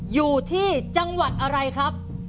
อยู่ที่จังหวัดอะไรครับ